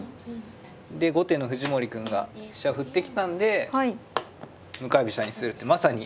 で後手の藤森くんが飛車振ってきたんで向かい飛車にするってまさに。